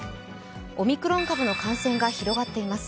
オミクロン株の感染が広がっています。